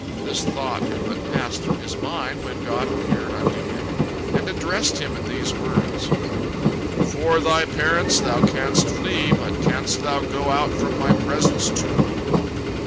This thought had but passed through his mind when God appeared unto him, and addressed him in these words: "Before thy parents thou canst flee, but canst thou go out from My presence, too?